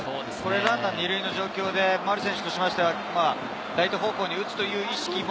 ランナー２塁の状況で丸選手としてはライト方向に打つという意識も。